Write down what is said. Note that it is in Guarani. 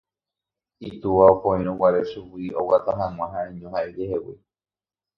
itúva opoírõguare chugui oguata hag̃ua ha'eño ha ijehegui